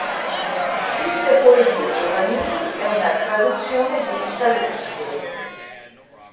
Scrisse poesie giovanili e una traduzione di Sallustio.